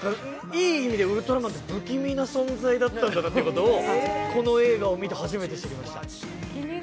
いい意味でウルトラマンって不気味な存在だったんだなとこの映画を見て初めて知りました。